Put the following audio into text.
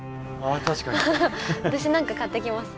私何か買ってきます。